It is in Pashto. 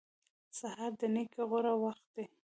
سهار د نېکۍ غوره وخت دی.